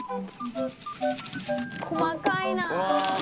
細かいな。